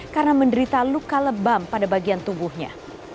karena menderita luka lebam pada bagian tubuhnya